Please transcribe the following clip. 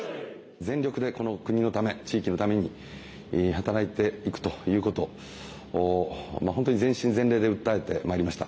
全力でこの国のため、地域のために働いていくということ、本当に全身全霊で訴えてまいりました。